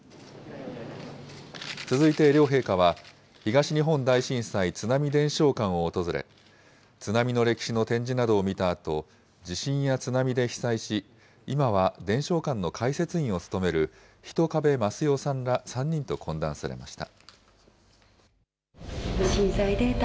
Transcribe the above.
続いて両陛下は、東日本大震災津波伝承館を訪れ、津波の歴史の展示などを見たあと、地震や津波で被災し、今は伝承館の解説員を務める、人首ますよさんら３人と懇談されました。